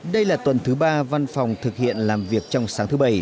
đây là tuần thứ ba văn phòng thực hiện làm việc trong sáng thứ bảy